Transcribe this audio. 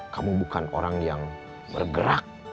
kamu bukan orang yang bergerak